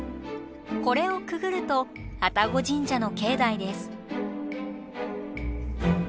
これをくぐると愛宕神社の境内です。